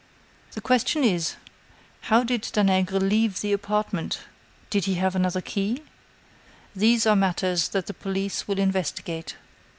The question is: How did Danègre leave the apartment? Did he have another key? These are matters that the police will investigate."